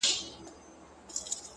• نور د عصمت کوڅو ته مه وروله,